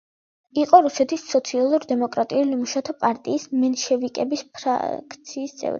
იყო რუსეთის სოციალ-დემოკრატიული მუშათა პარტიის „მენშევიკების ფრაქციის“ წევრი.